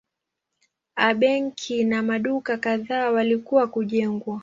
A benki na maduka kadhaa walikuwa kujengwa.